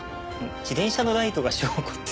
自転車のライトが証拠って。